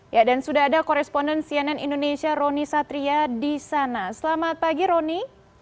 ya dan sudah ada koresponden cnn indonesia roni satria di sana selamat pagi roni